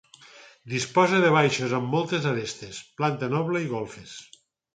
Disposa de baixos, amb voltes d'arestes, planta noble i golfes.